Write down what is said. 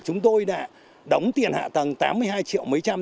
chúng tôi đã đóng tiền hạ tầng tám mươi hai triệu mấy trăm